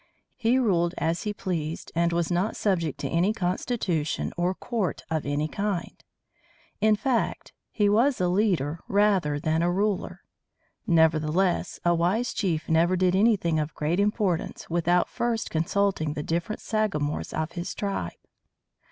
He ruled as he pleased, and was not subject to any constitution or court of any kind. In fact, he was a leader rather than a ruler. Nevertheless, a wise chief never did anything of great importance without first consulting the different sagamores of his tribe.